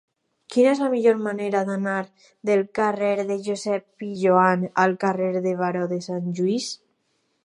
Quina és la millor manera d'anar del carrer de Josep Pijoan al carrer del Baró de Sant Lluís?